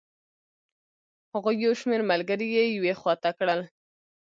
هغوی یو شمېر ملګري یې یوې خوا ته کړل.